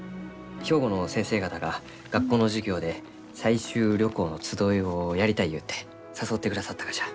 兵庫の先生方が学校の授業で採集旅行の集いをやりたいゆうて誘ってくださったがじゃ。